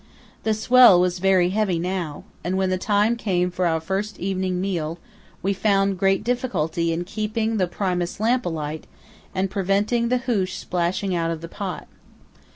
The swell was very heavy now, and when the time came for our first evening meal we found great difficulty in keeping the Primus lamp alight and preventing the hoosh splashing out of the pot.